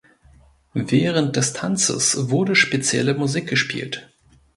Während des Tanzes wurde spezielle Musik gespielt.